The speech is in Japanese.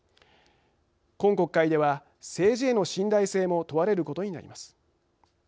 今国会では政治への信頼性も問われることになります。